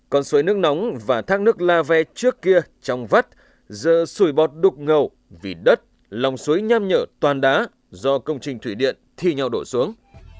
con suối nước nóng và thác nước la ve trước kia trong vắt giờ sủi bọt đục ngậu vì đất lòng suối nham nhở toàn đá do công trình thủy điện thi nhau đổ xuống